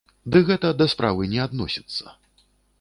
Ды гэта да справы не адносіцца.